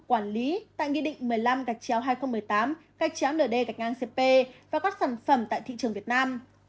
quản lý tại nghị định một mươi năm gạch chéo hai nghìn một mươi tám gạch chán nd gạch ngang cp và các sản phẩm tại thị trường việt nam